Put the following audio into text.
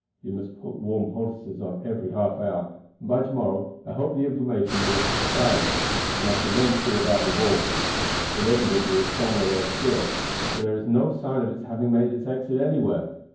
You must put warm poultices on every half hour, and by to morrow I hope the inflammation will have subsided, and I can then see about the ball. It evidently is somewhere there still, for there is no sign of its having made its exit anywhere.